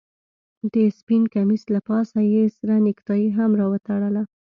د سپين کميس له پاسه يې سره نيكټايي هم راوتړله.